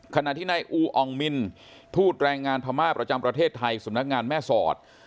ขณะที่นายอูอองมินทูตแรงงานพม่าประจำประเทศไทยสำนักงานแม่สอด